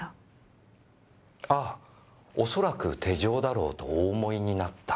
ああ恐らく手錠だろうとお思いになった。